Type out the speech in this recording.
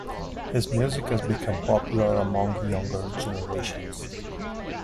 His music has become popular among younger generations.